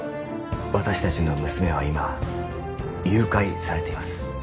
私達の娘は今誘拐されています